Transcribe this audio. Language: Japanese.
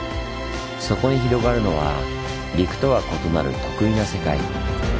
そこに広がるのは陸とは異なる特異な世界。